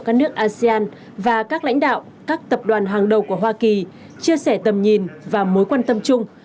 các nước asean và các lãnh đạo các tập đoàn hàng đầu của hoa kỳ chia sẻ tầm nhìn và mối quan tâm chung